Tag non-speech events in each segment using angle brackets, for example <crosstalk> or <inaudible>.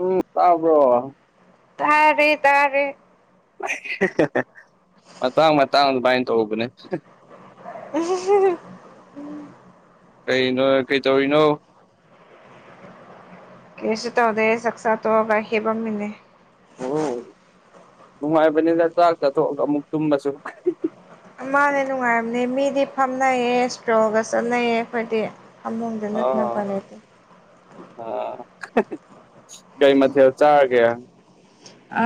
ꯎꯝ ꯇꯥꯕ꯭ꯔꯣ꯫ ꯇꯥꯔꯦ ꯇꯥꯔꯦ꯫ <unintelligible> ꯃꯇꯥꯡ ꯃꯇꯥꯡ ꯑꯗꯨꯃꯥꯏꯅ ꯇꯧꯕꯅꯦ꯫ <unintelligible> ꯀꯩꯅꯣ ꯀꯩꯇꯧꯔꯤꯅꯣ꯫ ꯀꯩꯁꯨ ꯇꯧꯗꯦ ꯆꯛ ꯁꯆꯥꯇꯣꯛꯑꯒ ꯍꯤꯞꯄꯝꯃꯤꯅꯦ꯫ ꯑꯣ ꯅꯨꯡꯉꯥꯏꯕꯅꯤꯗ ꯆꯥꯛ ꯆꯥꯊꫭꯛꯑꯒ ꯑꯃꯨꯛ ꯇꯨꯝꯕꯁꯨ꯫ ꯃꯥꯅꯦ ꯅꯨꯡꯉꯥꯏꯔꯝꯅꯦ ꯃꯤꯗꯤ ꯐꯝꯅꯩꯌꯦ ꯏꯁꯇ꯭ꯔꯣꯜꯒ ꯆꯠꯅꯩꯌꯦ ꯑꯩꯈꯣꯏꯗꯤ ꯐꯝꯃꯨꯡꯗ ꯅꯠꯇꯅ ꯑꯥ ꯎꯄꯥꯏ ꯂꯩꯇꯦ꯫ ꯑꯥ <unintelligible> ꯀꯩ ꯃꯊꯦꯜ ꯆꯥꯔꯒꯦ꯫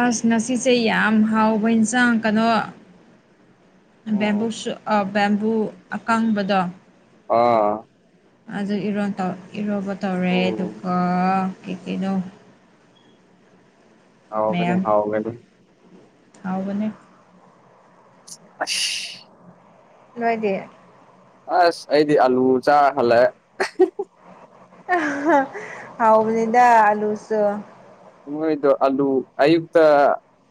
ꯑꯁ ꯉꯁꯤꯁꯦ ꯌꯥꯝ ꯍꯥꯎꯕ ꯏꯟꯁꯥꯡ ꯀꯩꯅꯣ ꯎꯝ ꯕꯦꯝꯕꯨꯁꯨ ꯑ ꯕꯦꯝꯕꯨ ꯑꯀꯥꯡꯕꯗꯣ꯫ ꯑꯥ꯫ ꯑꯗꯨ ꯏꯔꯣꯟ ꯇꯧ ꯏꯔꯣꯝꯕ ꯇꯧꯔꯦ ꯎꯝ ꯑꯗꯨꯒ ꯀꯩ ꯀꯩꯅꯣ ꯃꯌꯥꯝ ꯍꯥꯎꯒꯅꯤ-ꯍꯥꯎꯒꯅꯤ꯫ ꯍꯥꯎꯕꯅꯦ꯫ ꯑꯁ꯫ ꯅꯣꯏꯗꯤ꯫ ꯑꯁ ꯑꯩꯗꯤ ꯑꯥꯂꯨ ꯆꯥꯔ ꯍꯜꯂꯛꯑꯦ꯫ <unintelligible> <unintelligible> ꯍꯥꯎꯕꯅꯤꯗꯥ ꯑꯂꯨꯁꯨ꯫ ꯅꯣꯏꯗꯣ ꯑꯂꯨ ꯑꯌꯨꯛꯇꯥ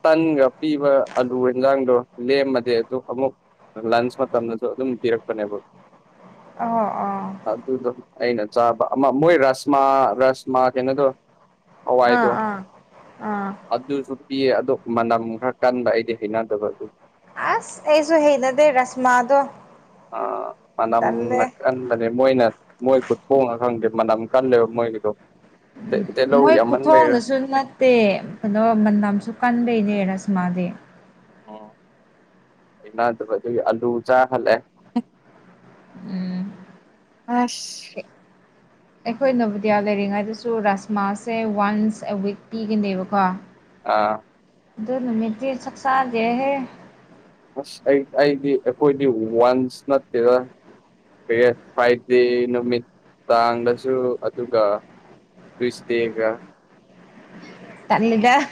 ꯇꯟꯒ ꯄꯤꯕ ꯑꯂꯨ ꯑꯦꯟꯁꯥꯡꯗꯣ ꯂꯦꯝꯃꯗꯤ ꯑꯗꯨ ꯑꯃꯨꯛ ꯂꯟꯁ ꯃꯇꯝꯗꯁꯨ ꯑꯗꯨꯝ ꯄꯤꯔꯛꯄꯅꯦꯕ꯫ ꯑꯧ ꯑꫭ꯫ ꯑꯗꯨꯗꯣ ꯑꯩꯅ ꯆꯥꯕ ꯑꯃ ꯃꯣꯏ ꯔꯥꯁꯃꯥ ꯔꯥꯁꯃꯥ ꯀꯩꯅꯣꯗꯣ꯫ ꯑꯥ ꯍꯋꯥꯏꯗꯣ ꯑꯥ ꯑꯥ ꯑꯗꯨꯁꯨ ꯄꯤꯌꯦ ꯑꯗꯣ ꯃꯅꯝ ꯈꯔ ꯀꯟꯕ ꯑꯩꯗꯤ ꯍꯩꯅꯗꯕꯒꯤ ꯑꯗꯨ ꯑꯥꯁ ꯑꯩꯁꯨ ꯍꯩꯅꯗꯦ ꯔꯥꯥꯁꯃꯥꯗꯣ ꯑꯥ ꯃꯅꯝ ꯅ ꯀꯟꯕꯅꯦ ꯃꯣꯏꯅ ꯃꯣꯏ ꯈꯨꯊꯣꯡꯂ ꯈꯪꯗꯦ ꯃꯅꯝ ꯀꯜꯂꯦꯕ ꯃꯣꯏꯒꯤꯗꯣ ꯇꯤ ꯇꯤꯜꯍꯧ ꯃꯣꯏ ꯌꯥꯝꯃꯟꯕꯩꯔ ꯈꯨꯨꯊꯣꯡꯅꯁꯨ ꯅꯠ ꯇꯦ ꯀꯅꯣ ꯃꯅꯝꯁꯨ ꯀꯟꯕꯩꯅꯦ ꯔꯥꯁꯃꯥꯗꯤ ꯑꯣ ꯍꯩꯅꯗꯕ ꯑꯗꯨꯒꯤ ꯑꯂꯨ ꯆꯥ ꯍꯜꯂꯛꯑꯦ ꯎꯝ ꯑꯁ ꯑꯩꯈꯣꯏ ꯅꯕꯣꯗꯤꯌꯥ ꯂꯩꯔꯤꯉꯩꯗꯁꯨ ꯔꯥꯁꯃꯥꯁꯦ ꯋꯥꯟꯁ ꯑꯦ ꯋꯤꯛ ꯄꯤꯒꯅꯦꯕꯀꯣ ꯑꯥ ꯑꯗꯨ ꯅꯨꯃꯤꯠꯇꯤ ꯆꯛꯆꯥꯗꯦꯍꯦ ꯑꯁ ꯑꯩ ꯑꯩꯗꯤ ꯑꯩꯈꯣꯏꯗꯤ ꯋꯥꯟꯁ ꯅꯠꯇꯦꯗ <unintelligible> ꯐꯔ꯭ꯥꯏꯗꯦ ꯅꯨꯃꯤꯠ ꯇꯥꯡꯗꯁꯨ ꯑꯗꯨꯒ ꯇꯨꯏꯁꯗꯦꯒꯥ ꯇꯜꯂꯤꯗꯥ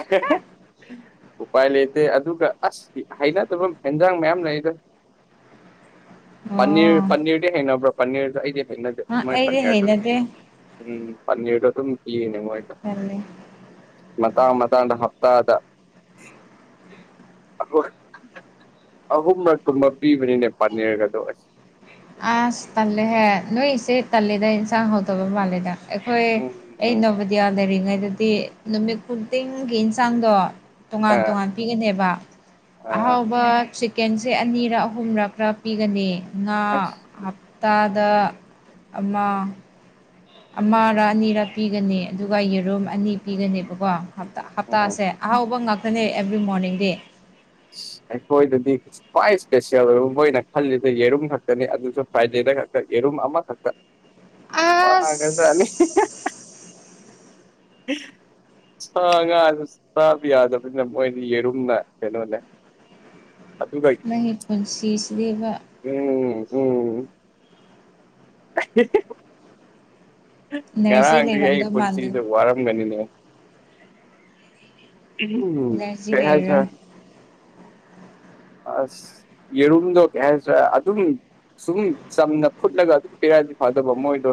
<inaudible> ꯎꯄꯥꯏ ꯂꯩꯇꯦ ꯑꯗꯨꯒ ꯑꯁ ꯍꯩꯅꯗꯕ ꯍꯦꯟꯖꯥꯡ ꯃꯌꯥꯝ ꯂꯩꯗꯥ <inaudible> ꯄꯅꯤꯔ ꯑꯣ ꯄꯅꯤꯔꯗꯤ ꯍꯩꯅꯕ꯭ꯔꯣ ꯄꯅꯤꯔꯗꯨ ꯑꯩꯗꯤ ꯍꯩꯅꯗꯦ ꯑ ꯃꯣꯏ ꯑꯩꯗꯤ ꯄꯅꯤꯔꯗꯨ ꯍꯩꯅꯗꯦ ꯎꯝ ꯄꯟꯅꯤꯔ ꯗꯣ ꯑꯗꯨꯝ ꯄꯤꯒꯅꯤ ꯃꯣꯏꯗꯣ ꯇꯜꯂꯦ ꯃꯇꯥꯡ ꯃꯇꯥꯡꯗ ꯍꯞꯇꯥꯗ ꯑꯈꯣꯏ ꯑꯍꯨꯝꯂꯛꯀꯨꯝꯕ ꯄꯤꯕꯅꯤꯅꯦ ꯄꯥꯅꯤꯔꯒꯗꯣ ꯑꯁ ꯑꯥꯁ ꯇꯜꯂꯦꯍꯦ ꯅꯣꯏꯁꯦ ꯇꯜꯂꯦꯗ ꯏꯟꯁꯥꯡ ꯍꯥꯎꯇꯕ ꯃꯥꯜꯂꯦꯗ ꯑꯩꯈꯣꯏ ꯑꯩ ꯎꯝ ꯅꯕꯣꯗꯤꯌꯥ ꯂꯩꯔꯤꯉꯩꯗꯗꯤ ꯅꯨꯃꯤꯠ ꯈꯨꯗꯤꯡꯒꯤ ꯏꯟꯁꯥꯡꯗꯣ ꯑ ꯇꯣꯉꯥꯟ ꯇꯣꯉꯥꯟ ꯄꯤꯒꯅꯦꯕ ꯑ ꯑꯍꯥꯎꯕ ꯆꯤꯛꯀꯦꯟꯁꯦ ꯑꯅꯤꯔꯛ ꯑꯍꯨꯝꯔꯛꯔ ꯄꯤꯒꯅꯤ ꯉꯥ ꯑꯁ ꯍꯞꯇꯥꯗ ꯑꯃ ꯑꯃꯥꯔꯥꯥ ꯑꯅꯤꯔꯥꯥ ꯄꯤꯒꯅꯤ ꯑꯗꯨꯒ ꯌꯦꯔꯨꯝ ꯑꯅꯤ ꯄꯤꯒꯅꯦꯕꯀꯣ ꯍꯞꯇꯥ ꯎꯝ ꯍꯞꯇꯥꯁꯦ ꯑꯍꯥꯎꯕ ꯉꯥꯛꯇꯅꯦ ꯑꯦꯕ꯭ꯔꯤ ꯃꯣꯔꯅꯤꯡꯗꯤ ꯑꯩꯈꯣꯏꯗꯗꯤ ꯈ꯭ꯋꯥꯏ ꯁꯄꯦꯁꯦꯜ ꯑꯣꯏꯕ ꯃꯣꯏꯅ ꯈꯜꯂꯤꯗꯣ ꯌꯦꯔꯨꯝ ꯈꯛꯇꯅꯤ ꯑꯗꯨꯁꯨ ꯐ꯭ꯔꯥꯏꯗꯦꯗ ꯈꯛꯇ ꯌꯦꯔꯨꯝ ꯑꯃꯈꯛꯇ ꯋꯥꯒ꯭ꯔꯖꯥꯠꯅꯤ ꯑꯁ ꯁꯥ ꯉꯥꯁꯨ ꯆꯥꯕ ꯌꯥꯗꯕꯅꯤꯅ ꯃꯣꯏꯗꯤ ꯌꯦꯔꯨꯝꯅ ꯀꯩꯅꯣꯅꯦ ꯑꯗꯨꯒ ꯅꯪꯒꯤ ꯄꯨꯟꯁꯤꯁꯤꯗꯤꯕ ꯎꯝ ꯎꯝ <inaudible> ꯏꯅꯔꯖꯤ ꯉꯔꯥꯡꯗꯒꯤ ꯑꯩ ꯂꯩꯔꯝꯗꯧ ꯃꯥꯟꯗꯦ ꯄꯨꯟꯁꯤꯁꯦ ꯋꯥꯔꯝꯒꯅꯤꯅꯦ ꯏꯅꯔꯖꯤ ꯂꯩꯔꯔꯣꯏ <unintelligible> ꯑꯁ ꯌꯦꯔꯨꯝꯗꯣ ꯀꯩ ꯍꯥꯏꯁꯦꯔꯥꯥ ꯑꯗꯨꯝ ꯁꯨꯝ ꯆꯝꯅ ꯐꯨꯠꯂꯒ ꯑꯗꯨꯝ ꯄꯤꯔꯛꯑꯗꯤ ꯐꯒꯗꯕ ꯃꯣꯏꯗꯣ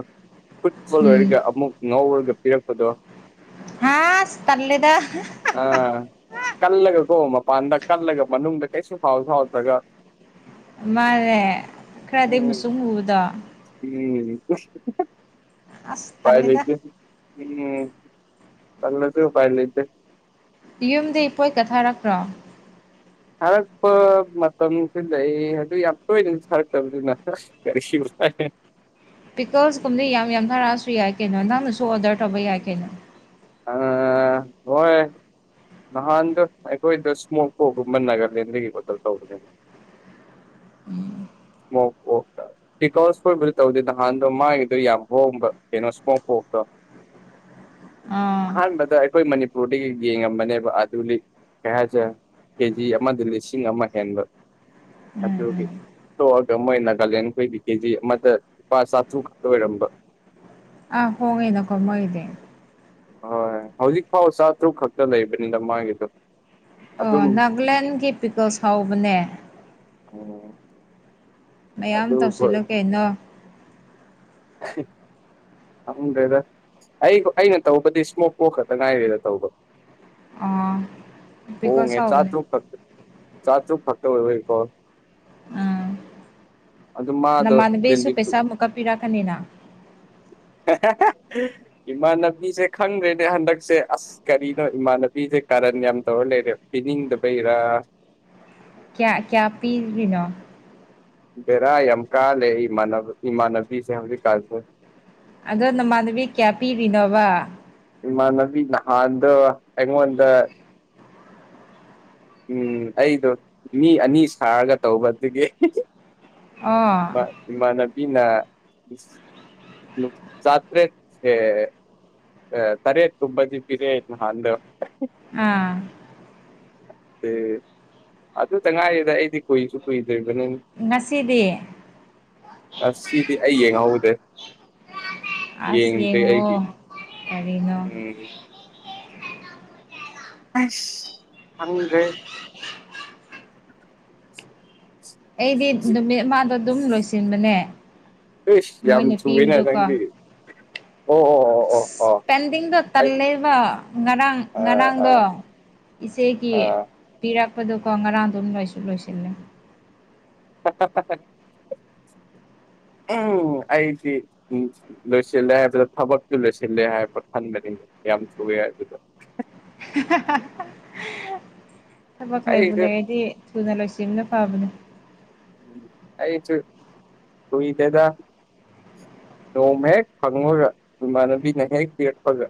ꯐꯨꯠꯄ ꯎꯝ ꯂꯣꯏꯔꯒ ꯑꯃꯨꯛ ꯉꯧꯔꯒ ꯄꯤꯔꯛꯄꯗꯣ ꯍꯥꯁ ꯇꯜꯂꯦꯗꯥ ꯑꯥ ꯀꯜꯂꯒ ꯀꯣ ꯃꯄꯥꯟꯗ ꯀꯜꯂꯒ ꯃꯥꯅꯨꯡꯗ ꯀꯩꯁꯨ ꯐꯥꯎꯁꯨ ꯐꯥꯎꯗ꯭ꯔꯒ ꯃꯥꯅꯦ ꯈꯔꯗꯤ ꯎꯝ ꯃꯨꯁꯨꯡ ꯃꯨꯕꯗꯣ ꯎꯝ <unintelligible> ꯑꯁ ꯎꯄꯥꯏ ꯇꯜꯂꯦꯗ ꯂꯩꯇꯦ ꯎꯝ ꯇꯜꯂꯁꯨ ꯎꯄꯥꯏ ꯂꯩꯇꯦ ꯌꯨꯝꯗꯩ ꯄꯣꯠꯀ ꯊꯥꯔꯛꯇ꯭ꯔꯣ ꯊꯔꯛꯄ ꯃꯇꯝꯁꯨ ꯂꯩ ꯑꯗꯨ ꯌꯥꯝ ꯇꯣꯏꯅꯁꯨ ꯁꯥꯔꯛꯇꯕꯅꯤꯅ ꯑꯁ <unintelligible> ꯄꯤꯀꯜꯁ ꯀꯨꯝꯕꯗꯤ ꯌꯥꯝ ꯌꯥꯝꯊꯥꯔꯛꯑꯁꯨ ꯌꯥꯏ ꯀꯩꯅꯣ ꯅꯪꯅꯁꯨ ꯑꯣꯔꯗꯔ ꯇꯧꯕ ꯌꯥꯏ ꯀꯩꯅꯣ ꯑꯥ ꯍꯣꯏ ꯅꯍꯥꯟꯗ ꯑꯩꯈꯣꯏꯗ ꯏꯁꯃꯣꯛꯄꯣꯛ ꯒꯨꯝꯕ ꯅꯥꯒꯥꯂꯦꯟꯗꯒꯤ ꯑꯣꯗꯔ ꯇꯧꯕꯅꯦ <inaudible> <unintelligible> ꯄꯤꯀꯜꯁ ꯈꯣꯢꯕꯨꯗꯤ ꯇꯧꯗꯦ ꯅꯍꯥꯟꯗꯣ ꯃꯥꯒꯤꯗꯣ ꯌꯥꯝ ꯍꯣꯡꯕ ꯀꯩꯅꯣ ꯏꯁꯃꯣꯛ ꯄꯣꯛꯇꯣ ꯑꯥ ꯑꯍꯥꯟꯕꯗ ꯑꯩꯈꯣꯏ ꯃꯅꯤ ꯄꯨꯔꯗꯒꯤ ꯌꯦꯡꯉꯝꯕꯅꯦꯕ ꯑꯗꯨꯗꯤ ꯀꯩ ꯍꯥꯢꯁꯤꯔꯥ ꯀꯦꯖꯤ ꯑꯃꯗ ꯂꯤꯁꯤꯡ ꯑꯃꯥ ꯍꯦꯟꯕ ꯎꯝ ꯑꯗꯨꯒꯤ ꯎꯝ <unintelligible> ꯃꯣꯏ ꯅꯥꯒꯥꯂꯦꯟꯈꯣꯏꯒꯤ ꯀꯦꯖꯤ ꯑꯃꯗ ꯂꯨꯄꯥ ꯆꯥꯇ꯭ꯔꯨꯛ ꯈꯛꯇ ꯑꯣꯢꯔꯝꯕ ꯑ ꯍꯣꯡꯏꯅꯀꯣ ꯃꯣꯏꯒꯤꯗꯤ ꯍꯣꯏ ꯍꯧꯖꯤꯛ ꯐꯥꯎ ꯆꯥꯇ꯭ꯔꯨꯛ ꯈꯛꯇ ꯂꯩꯕꯅꯤꯗ ꯃꯥꯒꯤꯗꯨ ꯑꯣ ꯅꯥꯒꯥꯂꯦꯟ ꯀꯤ ꯄꯤꯀꯜꯁ ꯍꯥꯎꯕꯅꯦ ꯑꯣ ꯃꯌꯥꯝ ꯇꯧꯁꯤꯜꯂꯨ ꯀꯩꯅꯣ <inaudible> ꯈꯪꯗ꯭ꯔꯦꯗ ꯑꯩ ꯑꯩꯅ ꯇꯧꯕꯗꯤ ꯏꯁꯃꯣꯛ ꯄꯣꯛ ꯈꯛꯇ ꯉꯥꯏꯔꯦꯗ ꯇꯧꯕ ꯑꯥ ꯍꯣꯡꯉꯦ ꯄꯤꯀꯜꯁ ꯍꯥꯎꯕꯅꯦ ꯆꯥꯇ꯭ꯨꯔꯛ ꯈꯛ ꯆꯥꯇ꯭ꯨꯔꯛ ꯈꯛꯇ ꯑꯣꯏꯕꯒꯤꯀꯣ ꯎꯝ ꯑꯗꯨ ꯃꯥꯗꯣ ꯅꯃꯥꯟꯅꯕꯤꯁꯨ ꯗꯤꯂꯤꯕ ꯄꯩꯁꯥ ꯑꯃꯨꯛꯀ ꯄꯤꯔꯛꯀꯅꯤꯅ <unintelligible> ꯏꯃꯥꯟꯅꯕꯤꯁꯦ ꯈꯪꯗ꯭ꯔꯦꯅꯦ ꯍꯟꯗꯛꯁꯦ ꯑꯁ ꯀꯔꯤꯅꯣ ꯏꯃꯥꯟꯅꯕꯤꯁꯦ ꯀꯥꯔꯟ ꯌꯥꯝ ꯇꯧꯔ ꯂꯩꯔꯦ ꯄꯤꯅꯤꯡꯗꯕꯩꯔꯥ ꯀꯌꯥ ꯀꯌꯥ ꯄꯤꯔꯤꯅꯣ ꯕꯔꯥ ꯌꯥꯝ ꯀꯥ ꯂꯩ ꯏꯃꯥꯟꯅꯕ ꯏꯃꯥꯟꯅꯕꯤꯁꯦ ꯍꯧꯖꯤꯛ ꯀꯥꯟꯁꯦ ꯑꯗꯣ ꯅꯃꯥꯟꯅꯕꯤ ꯀꯌꯥ ꯄꯤꯔꯤꯅꯣꯕ ꯏꯃꯥꯟꯅꯕꯤ ꯅꯍꯥꯟꯗꯣ ꯑꯩꯉꯣꯟꯗ ꯎꯝ ꯑꯩꯗꯣ ꯃꯤ ꯑꯅꯤ ꯁꯥꯔꯒ ꯇꯧꯕ ꯑꯗꯨꯒꯤ ꯑꯣ ꯏꯃꯥꯅꯕꯤꯅꯥ ꯆꯥ ꯇ꯭ꯔꯦꯠ ꯑꯦ ꯑ ꯇꯔꯦꯠ ꯀꯨꯝꯕꯗꯤ ꯄꯤꯔꯛꯑꯦ ꯅꯍꯥꯟꯗꯣ ꯑꯥ ꯑꯗꯨ ꯑꯗꯨꯇ ꯉꯥꯏꯔꯤꯗ ꯑꯩꯗꯤ ꯀꯨꯏꯁꯨ ꯀꯨꯏꯗ꯭ꯔꯤꯕꯅꯤꯅ ꯉꯁꯤꯗꯤ ꯉꯁꯤꯗꯤ ꯑꯩ ꯌꯦꯡꯍꯧꯗꯦ ꯌꯦꯡꯗꯦ ꯑꯩꯒꯤ ꯀꯔꯤ ꯎꯝ ꯑꯁ ꯈꯪꯗ꯭ꯔꯦ ꯑꯩꯗꯤ ꯅꯨꯃꯤꯠ ꯑꯃꯗ ꯑꯗꯨꯝ ꯂꯣꯏꯁꯤꯟꯕꯅꯦ ꯏꯁ ꯌꯥꯝ ꯃꯣꯏꯅ ꯊꯨꯋꯦꯅ ꯄꯤꯕꯗꯨꯀꯣ ꯅꯪꯗꯤ ꯑꯣ ꯑꯣ ꯑꯣ ꯑꯁ ꯑꯣ ꯑꯣ ꯄꯦꯟꯗꯤꯡꯗ‌ꯣ ꯑꯩ ꯇꯜꯂꯦꯕ ꯉꯔꯥꯡ ꯑꯥ ꯑꯥ ꯉꯔꯥꯡꯗ‌ꯣ ꯏꯆꯦꯒꯤ ꯑꯥ ꯄꯤꯔꯛꯄꯗꯨꯀꯣ ꯉꯔꯥꯡꯗꯨꯝ ꯂꯣꯏꯁꯨ ꯂꯣꯏꯁꯤꯜꯂꯦ <unintelligible> ꯎꯝ ꯑꯩꯗꯤ ꯎꯝ ꯂꯣꯏꯁꯤꯜꯂꯦ ꯍꯥꯏꯕꯗꯨꯗ ꯊꯕꯛꯇꯨ ꯂꯣꯏꯁꯤꯜꯂꯦ ꯍꯥꯏꯕ ꯈꯟꯕꯅꯤꯅꯦ ꯌꯥꯝ ꯊꯨꯋ‌ꯦ ꯍꯥꯏꯕꯗꯨꯗ ꯊꯕꯛ ꯂꯩꯕꯨ ꯑꯩꯁꯦ ꯂꯩꯔꯗꯤ ꯊꯨꯅ ꯂꯣꯏꯁꯤꯟꯕꯅ ꯐꯕꯅꯤ ꯑꯩꯆꯨ ꯀꯨꯏꯗꯦꯗꯥ ꯅꯣꯡꯃ ꯍꯦꯛ ꯐꯪꯉꯒ ꯏꯃꯥꯟꯅꯕꯤꯅ ꯍꯦꯛ ꯄꯤꯔꯛꯄꯒ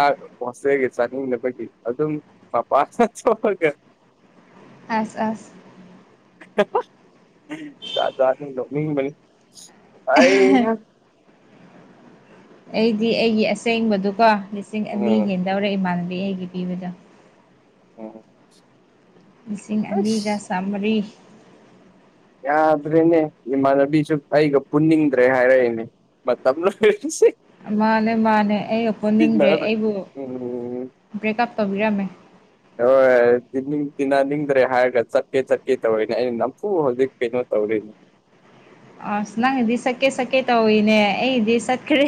ꯥꯆꯥꯛ ꯍ‌ꯣꯁꯇꯦꯒꯤ ꯆꯥꯅꯤꯡꯗꯕꯒꯤ ꯑꯗꯨꯝ ꯃꯄꯥꯆꯅ ꯆ‌ꯣꯔꯒ <inaudible> ꯑꯁ ꯑꯁ ꯖꯥꯠ ꯖꯥꯠꯅꯤ ꯅ‌ꯣꯛꯅꯤꯡꯕꯅꯤ ꯑꯗꯤ ꯑꯩꯒꯤ ꯑꯁꯦꯡꯕꯗꯨꯒꯥ ꯂꯤꯁꯤꯡ ꯑꯅꯤ ꯎꯝ ꯍꯦꯟꯗꯧꯔꯦ ꯏꯃꯥꯟꯅꯕꯤ ꯑꯩꯒꯤ ꯄꯤꯕꯗꯣ ꯑꯣ ꯂꯤꯁꯤꯡ ꯑꯅꯤꯒ ꯆꯥꯝꯃꯔꯤ ꯌꯥꯗ꯭ꯔꯦꯅꯦ ꯏꯃꯥꯟꯅꯕꯤꯆꯨꯞ ꯑꯩꯒ ꯄꯨꯟꯅꯤꯡꯗ꯭ꯔꯦ ꯍꯥꯏꯔꯛꯏꯅꯦ ꯃꯇꯝ ꯂ‌ꯣꯏꯍꯟꯈꯤꯁꯤ ꯃꯥꯅꯦ ꯃꯥꯅꯦ ꯑꯩꯒ ꯄꯨꯟꯅꯤꯡꯗ꯭ꯔꯦ ꯑꯩꯕꯨ ꯎꯝ ꯕ꯭ꯔꯦꯛ ꯀꯞ ꯇꯧꯕꯤꯔꯝꯃꯦ ꯍꯣꯏ ꯇꯛ ꯇꯤꯅꯤꯡ ꯇꯤꯟꯅꯅꯤꯡꯗ꯭ꯔꯦ ꯍꯥꯏꯔꯒ ꯆꯠꯀꯦ ꯆꯠꯀꯦ ꯇꯧꯔꯤꯅꯦ ꯑꯩꯅ ꯅꯝꯐꯨ ꯍꯧꯖꯤꯛ ꯀꯩꯅꯣ ꯇꯧꯔꯤꯅꯦ ꯑꯁ ꯅꯪꯒꯤꯗꯤ ꯁꯛꯀꯦ ꯁꯛꯀꯦ ꯇꯧꯏꯅꯦ ꯑꯩꯒꯤꯗꯤ ꯆꯠꯈ꯭ꯔꯦ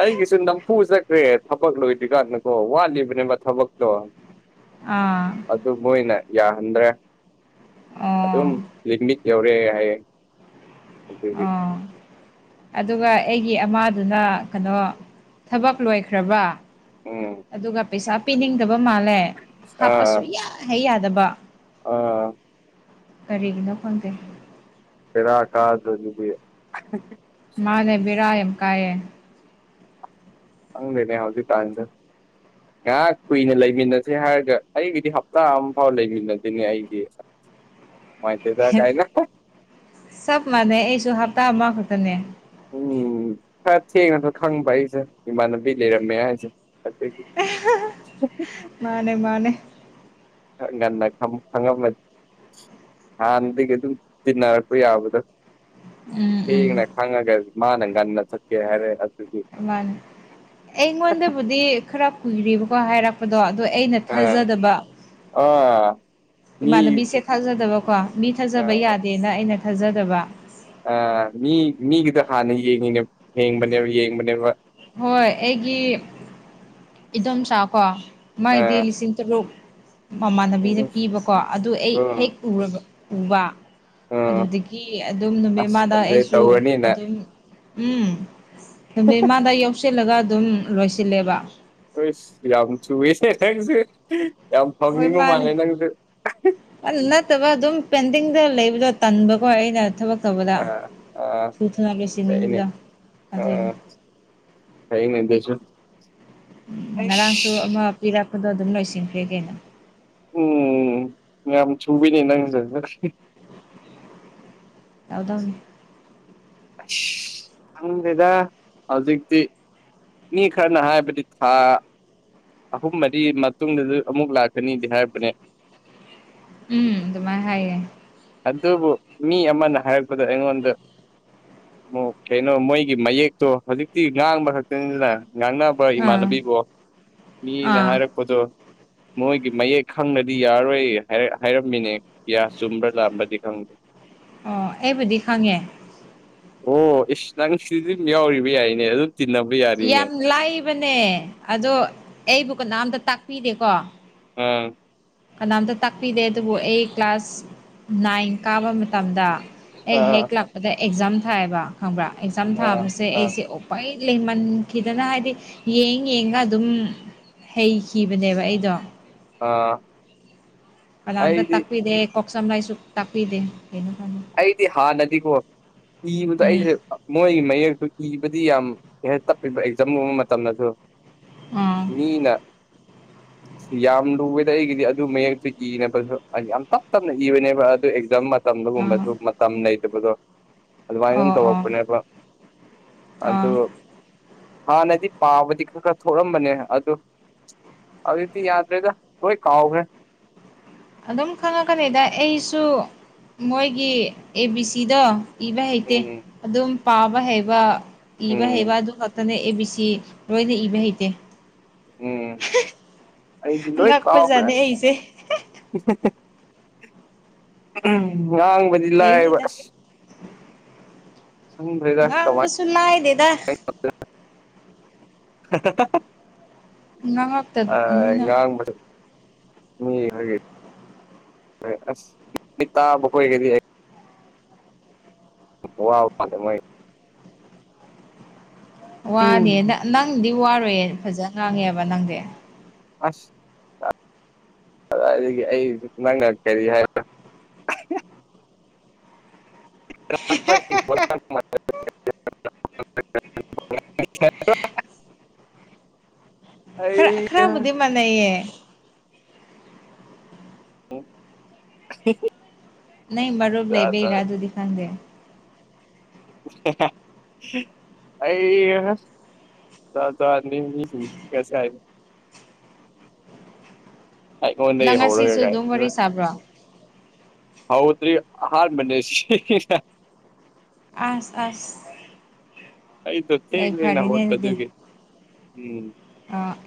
ꯑꯩꯒꯤꯁꯨ ꯅꯝꯐꯨ ꯆꯛ ꯈ꯭ꯔ‌ꯦ ꯊꯕꯛ ꯂꯣꯏꯗ꯭ꯔꯤꯀꯥꯟꯗꯀꯣ ꯋꯥꯠꯂꯤꯕꯅꯦꯕ ꯊꯕꯛꯇꯣ ꯑꯥ ꯑꯗꯨ ꯃꯣꯏꯅ ꯌꯥꯍꯟꯗ꯭ꯔꯦ ꯑꯗꯨꯝ ꯑꯣ ꯗꯤꯒꯤꯅꯤꯛ ꯌꯧꯔ‌ꯦ ꯍꯥꯏꯌꯦ ꯑꯗꯨꯒꯤ ꯑꯣ ꯑꯗꯨꯒ ꯑꯩꯒꯤ ꯑꯃꯥꯗꯨꯅ ꯀꯟꯅꯣ ꯊꯕꯛ ꯂꯣꯏꯈ꯭ꯔꯕ ꯎꯝ ꯑꯗꯨꯒ ꯄꯩꯁꯥ ꯄꯤꯅꯤꯡꯗꯕ ꯃꯥꯜꯂꯦ ꯍꯥꯞꯄ ꯁꯨꯌꯥꯍꯩ ꯌꯥꯗꯕ ꯑ ꯀꯔꯤꯒꯤꯅ‌ꯣ ꯈꯪꯗꯦ ꯕ‌ꯦꯔꯥ ꯀꯥꯗ꯭ꯔ‌ꯣ ꯑꯗꯨꯗꯤ ꯃꯥꯅꯦ ꯕꯤꯔꯥ ꯌꯥꯝ ꯀꯥꯏꯌꯦ ꯈꯪꯗꯦꯅꯦ ꯍꯧꯖꯤꯛꯀꯥꯟꯁꯦ ꯉꯥꯏꯍꯥꯛ ꯀꯨꯏꯅ ꯂꯩꯃꯤꯟꯅꯁꯦ ꯍꯥꯏꯔꯒ ꯑꯩꯒꯤꯗꯤ ꯍꯞꯇꯥ ꯑꯝꯐꯥꯎ ꯂꯩꯃꯤꯟꯅꯗ‌ꯦꯅꯦ ꯑꯩꯗꯤ ꯑ꯭ꯋꯥꯏꯟꯇ‌ꯦꯗ ꯀꯥꯏꯅ ꯆꯞ ꯃꯥꯟꯅꯩ ꯑꯩꯁꯨ ꯍꯞꯇꯥ ꯑꯃꯈꯛꯇꯅꯦ ꯎꯝ ꯈꯔ ꯊꯦꯡꯅꯁꯨ ꯈꯪꯕ ꯑꯩꯁꯦ ꯏꯃꯥꯟꯅꯕꯤ ꯂꯩꯔꯝꯃꯦ ꯍꯥꯏꯁꯦ ꯑꯗꯨꯒꯤ ꯃꯥꯅꯦ ꯃꯥꯅꯦ ꯈꯔ ꯉꯟꯅ ꯈꯝ ꯈꯪꯉꯝꯃ ꯍꯥꯟꯅꯗꯒꯤ ꯑꯗꯨꯝ ꯇꯤꯟꯅꯔꯛꯄ ꯌꯥꯕꯗꯣ ꯎꯝ ꯎꯝ ꯊꯦꯡꯅ ꯈꯪꯉꯒ ꯃꯥꯅ ꯉꯟꯅ ꯆꯠꯀꯦ ꯍꯥꯏꯔꯦ ꯍꯠ ꯃꯥꯟꯅꯤ ꯑꯩꯉꯣꯟꯗꯕꯨꯗꯤ ꯈꯔ ꯀꯨꯏꯔꯦꯕꯀꯣ ꯍꯥꯏꯔꯛ ꯄꯗꯣ ꯑꯗꯣ ꯑꯩꯅ ꯑ ꯊꯥꯖꯗꯕ ꯑ ꯃꯤ ꯏꯃꯥꯟꯅꯕꯤꯁꯦ ꯊꯥꯖꯗꯕꯀꯣ ꯃꯤ ꯊꯥꯖꯕ ꯌꯥꯗꯦꯅ ꯑꯩꯅ ꯊꯥꯖꯗꯕ ꯑꯥ ꯃꯤ ꯃꯤꯒꯤꯗ ꯍꯥꯟꯅ ꯌꯦꯡꯉꯤꯅꯦ ꯌꯦꯡꯕꯅꯦꯕ ꯌꯦꯡꯕꯅꯦꯕ ꯍꯣꯏ ꯑꯩꯒꯤ ꯏꯗꯣꯝꯆꯥ ꯀꯣ ꯑ ꯃꯥꯏꯗꯤ ꯂꯤꯁꯤꯡ ꯇꯔꯨꯛ ꯃꯃꯥꯟꯅꯕꯤꯅ ꯄꯤꯕꯀꯣ ꯑꯗꯨ ꯑꯩ ꯍꯦꯛ ꯎꯔꯕ ꯎꯕ ꯑ ꯑꯗꯨꯗꯒꯤ ꯑꯗꯨꯝ ꯑꯁ ꯅꯨꯃꯤꯠꯃꯥꯗ ꯑꯗꯨꯗꯩ ꯑꯩꯁꯨ ꯇꯧꯔꯅꯤꯅ ꯑꯗꯨꯝ ꯎꯝ ꯅꯨꯃꯤꯠꯃꯥꯗ ꯌꯧꯁꯤꯜꯂꯒ ꯑꯗꯨꯝ ꯂꯣꯏꯁꯤꯜꯂꯦꯕ ꯍꯨꯏꯁ ꯌꯥꯝ ꯊꯨꯏꯍ‌ꯦ ꯅꯪꯁ‌ꯦ ꯌꯥꯝ ꯐꯪꯅꯤꯡꯕ ꯃꯥꯜꯂꯦ ꯅꯪꯁꯨ ꯑꯗꯨ ꯅꯠꯇꯕ ꯑꯗꯨꯝ ꯄꯦꯟꯗꯤꯡꯗ ꯂꯩꯕꯗꯣ ꯇꯟꯕꯀꯣ ꯑꯩꯅ ꯊꯕꯛ ꯇꯧꯕꯗ ꯑ ꯑ ꯊꯨꯊꯨꯅ ꯆꯠꯏꯅꯦ ꯂꯣꯢꯁꯤꯟꯅꯤꯡꯕꯗꯣ ꯑꯗꯨꯏꯅꯤ ꯐꯩꯅ‌ꯦ ꯗꯨꯁꯨ ꯎꯝ ꯉꯔꯥꯡꯁꯨ ꯑꯃ ꯄꯤꯔꯛꯄꯗꯣ ꯑꯗꯨꯝ ꯂꯣꯏꯁꯤꯟꯈ꯭ꯔꯦ ꯀꯩꯅꯣ ꯎꯝ ꯌꯥꯝ ꯊꯨꯏꯅꯦ ꯅꯪꯖ‌ꯦ ꯇꯧꯗꯧꯅꯤ ꯏꯁ ꯈꯪꯗꯦꯗ ꯍꯧꯖꯤꯛꯇꯤ ꯃꯤ ꯈꯔꯅ ꯍꯥꯏꯕꯗꯤ ꯊꯥ ꯑꯍꯨꯝ ꯃꯔꯤ ꯃꯇꯨꯡꯗꯗꯤ ꯑꯃꯨꯛ ꯂꯥꯛꯀꯅꯤꯗꯤ ꯍꯥꯏꯔꯛꯄꯅꯦ ꯎꯝ ꯗꯨꯃꯥꯏ ꯍꯥꯏꯌ‌ꯦ ꯑꯗꯨꯕꯨ ꯃꯤ ꯑꯃꯅ ꯍꯥꯏꯔꯛꯄꯗ ꯑꯩꯉꯣꯟꯗ ꯃ‌ꯣ ꯀꯩꯅꯣ ꯃꯣꯏꯒꯤ ꯃꯌꯦꯛꯇꯣ ꯍꯧꯖꯤꯛꯇꯤ ꯉꯥꯡꯕ ꯈꯛꯇꯅꯤꯗꯅ ꯉꯥꯡꯅ ꯕꯥ ꯑꯥ ꯏꯃꯥꯟꯅꯕꯤꯒ‌ꯣ ꯃꯤꯅ ꯑꯥ ꯍꯥꯏꯔꯛ ꯄꯗꯣ ꯃꯣꯏꯒꯤ ꯃꯌꯦꯛ ꯈꯪꯅꯗꯤ ꯌꯥꯔꯣꯏ ꯍꯥꯢ ꯍꯥꯏꯔꯝꯃꯤꯅꯦ ꯀꯌꯥ ꯆꯨꯝꯕ꯭ꯔꯥ ꯂꯥꯟꯕꯗꯤ ꯈꯪ ꯑꯣ ꯑꯩꯕꯨꯗꯤ ꯈꯪꯉꯦ ꯑꯣ ꯏꯁ ꯅꯪꯁꯨ ꯑꯗꯨꯝ ꯌꯥꯎꯔꯤꯕ ꯌꯥꯏꯅꯦ ꯑꯗꯨꯝ ꯇꯤꯅꯕ ꯌꯥ ꯌꯥꯝ ꯂꯥꯏꯕꯅꯦ ꯑꯗꯣ ꯑꯩꯕꯨ ꯀꯅꯥꯝꯇ ꯇꯥꯛꯄꯤꯗꯦꯀꯣ ꯑꯪ ꯀꯅꯥꯝꯇ ꯇꯥꯛꯄꯤꯗꯦ ꯑꯗꯨꯕꯨ ꯑꯩ ꯀ꯭ꯂꯥꯁ ꯅꯥꯏꯟ ꯀꯥꯕ ꯃꯇꯝꯗ ꯑꯩ ꯍꯦꯛ ꯑꯥ ꯂꯥꯛꯄꯗ ꯑꯦꯛꯖꯥꯝ ꯊꯥꯏꯌꯦꯕ ꯈꯪꯕ꯭ꯔꯥ ꯑꯦꯛꯖꯥꯝ ꯑꯥ ꯊꯥꯕꯁꯦ ꯑꯥ ꯑꯩꯁꯦ ꯎꯄꯥꯏ ꯂꯩꯃꯟꯈꯤꯗꯅ ꯍꯥꯏꯗꯤ ꯌꯦꯡ ꯌꯦꯡꯉꯒ ꯑꯗꯨꯝ ꯍꯩꯈꯤꯕꯅꯦꯕ ꯑꯩꯗꯣ ꯑꯥ ꯀꯅꯥꯝꯇ ꯑꯩꯗꯤ ꯇꯥꯛꯄꯤꯗꯦ ꯀꯣꯛ ꯁꯝ ꯂꯥꯏꯁꯨ ꯇꯥꯛꯄꯤꯗꯦ ꯀꯩꯅꯣ ꯈꯪꯗꯦ ꯑꯩꯗꯤ ꯍꯥꯟꯅꯗꯤꯀꯣ ꯏꯕꯗꯣ ꯎꯝ ꯑꯩꯁꯦ ꯃꯣꯏꯒꯤ ꯃꯌꯦꯛꯇꯨ ꯏꯕꯗꯤ ꯌꯥꯝ ꯀꯩ ꯍꯥꯢ ꯇꯞꯄꯤꯕ ꯑꯦꯛꯖꯥꯝꯒꯨꯝꯕ ꯃꯇꯝꯗꯁꯨ ꯑꯥ ꯃꯤꯅ ꯌꯥꯝ ꯂꯨꯋꯦꯗ ꯑꯩꯒꯤꯗꯤ ꯑꯗꯨ ꯃꯌꯦꯛꯇꯤ <unintelligible> ꯍꯥꯢꯗꯤ ꯌꯥꯝ ꯇꯞ ꯇꯞꯅ ꯏꯕꯅꯦꯕ ꯑꯗꯨ ꯑꯦꯛꯖꯥꯝ ꯃꯇ ꯇꯝꯗꯒꯨꯝꯕ ꯑꯥ ꯅꯩꯇꯕꯗꯣ ꯑꯗꯨꯃꯥꯏꯟ ꯑꯗꯨꯝ ꯑꯣ ꯑꯣ ꯇꯧꯔꯛꯄꯅꯦꯕ ꯑꯗꯨ ꯑꯥ ꯍꯥꯟꯅꯗꯤ ꯄꯥꯕꯗꯤ ꯈꯔ ꯈꯔ ꯊꯣꯛꯔꯝꯕꯅꯦ ꯑꯗꯨ ꯍꯧꯖꯤꯛꯇꯤ ꯌꯥꯗ꯭ꯔꯦꯗ ꯂꯣꯏ ꯀꯥꯎꯒ꯭ꯔꯦ ꯑꯗꯨꯝ ꯈꯪꯉꯛꯀꯅꯤꯗ ꯑꯩꯁꯨ ꯃꯣꯏꯒꯤ ꯑꯦ ꯕꯤ ꯁꯤꯗꯣ ꯏꯕ ꯍꯩꯇꯦ ꯎꯝ ꯑꯗꯨꯝ ꯄꯥꯕ ꯍꯩꯕ ꯏꯕ ꯍꯩꯕ ꯎꯝ ꯑꯗꯨ ꯈꯛꯇꯅꯦ ꯑꯦ ꯕꯤ ꯁꯤ ꯂꯣꯏꯗꯤ ꯏꯕ ꯍꯩꯇꯦ꯫ ꯎꯝ ꯑꯩꯗꯤ ꯂꯣꯏ ꯀꯥꯎꯈ꯭ꯔꯦ ꯉꯛꯄꯖꯥꯠꯅꯦ ꯑꯁ ꯑꯩꯁꯦ ꯍ ꯍ ꯍ ꯫ ꯎꯝ ꯉꯥꯡꯕꯗꯤ ꯂꯥꯏꯌꯦꯕ ꯍꯩꯅꯤꯗ ꯑꯁ꯫ ꯁꯡꯗ꯭ꯔꯦꯗ ꯀꯃꯥꯏ <inaudible> ꯉꯥꯡꯕꯁꯨ ꯂꯥꯏꯗꯦꯗ <unintelligible> ꯍ ꯍ ꯍ ꯑ ꯉꯥꯡꯉꯛꯇꯕꯅꯤꯅ ꯉꯥꯡꯕꯁꯨ ꯃꯤ ꯍꯣꯏꯒꯤ ꯑꯁ ꯃꯤ ꯇꯥꯕ ꯈꯣꯏꯒꯤꯗꯤ ꯋꯥꯕ <unintelligible> ꯎꯝ ꯋꯥꯅꯦꯅ ꯅꯪꯗꯤ ꯋꯥꯔꯣꯏꯌꯦ ꯐꯖꯅ ꯉꯥꯡꯉꯦꯕ ꯅꯪꯗꯤ꯫ ꯑꯁ ꯀꯗꯥꯏꯗꯒꯤ ꯑꯩ ꯅꯪꯅ ꯀꯔꯤ ꯍꯥꯏ <unintelligible> <inaudible> ꯈꯔ ꯑꯩ ꯈꯔꯕꯨꯗꯤ ꯃꯥꯟꯅꯩꯌꯦ꯫ ꯎꯝ <unintelligible> ꯅꯣꯏ ꯃꯔꯨꯞ ꯂꯩꯕꯩꯔ ꯑꯗꯨꯗꯤ ꯈꯪꯗꯦ꯫ <unintelligible> ꯑꯩ ꯖꯥꯠ ꯖꯥꯠꯅꯤ ꯃꯤ ꯁꯤꯡꯁꯦ ꯉꯁꯥꯏ ꯑꯩꯉꯣꯟꯗꯒꯤ ꯍꯧꯔꯒ ꯒꯥꯏ ꯍ ꯇꯥꯕ꯭ꯔꯣ? ꯍꯥꯎꯗ꯭ꯔꯤ ꯑꯍꯥꯥꯟꯕꯅꯦ ꯁꯤꯅ ꯑꯁ ꯑꯁ ꯑꯩꯗꯣ ꯊꯦꯡ ꯑꯩ ꯊꯦꯡꯅ ꯐꯔꯦꯅꯦ ꯍꯧꯒꯠꯄ ꯑꯗꯨꯒꯤ ꯎꯝ꯫ ꯑ